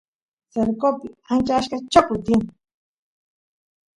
cercopi achka choclo tiyan